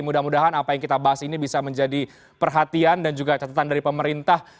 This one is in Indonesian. mudah mudahan apa yang kita bahas ini bisa menjadi perhatian dan juga catatan dari pemerintah